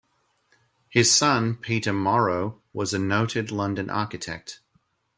His son, Peter Moro, was a noted London architect.